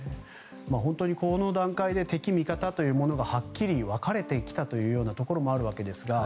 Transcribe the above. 本当にこの段階で敵味方というものがはっきり分かれてきたところもあるわけですが。